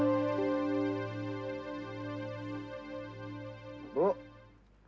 itu faith dia yang bilang